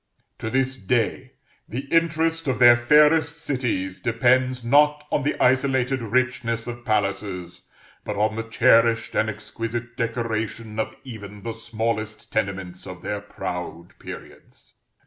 To this day, the interest of their fairest cities depends, not on the isolated richness of palaces, but on the cherished and exquisite decoration of even the smallest tenements of their proud periods.